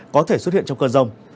có thể xuất hiện trong cơn rông